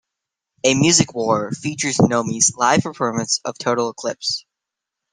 A Music War", features Nomi's live performance of "Total Eclipse.